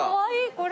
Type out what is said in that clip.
これ。